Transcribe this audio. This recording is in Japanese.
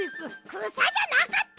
くさじゃなかった！